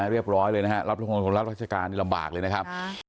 เรียบร้อยเลยนะครับรับทรงงานของรัฐวัฒนาการลำบากเลยนะครับ